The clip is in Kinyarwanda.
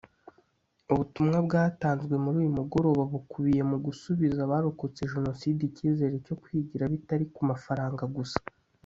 ubutumwa bwatanzwe muri uyu mugoroba bukubiye mu gusubiza abarokotse Jenoside icyizere cyo kwigira bitari ku mafaranga gusa